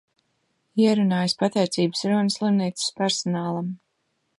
Ierunājis pateicības runu slimnīcas personālam.